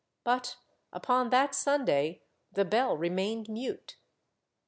But upon that Sunday the bell remained mute.